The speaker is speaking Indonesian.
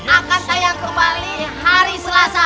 akan sayang kembali hari selasa